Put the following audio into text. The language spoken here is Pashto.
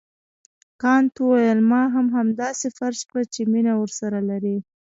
کانت وویل ما هم همداسې فرض کړه چې مینه ورسره لرې.